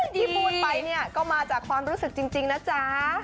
ที่พูดไปเนี่ยก็มาจากความรู้สึกจริงนะจ๊ะ